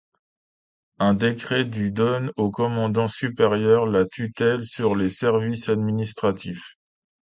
Un décret du donne au commandant supérieur la tutelle sur les services administratifs.